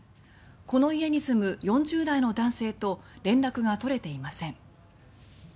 この家に住む４０代の男性と連絡が取れていません。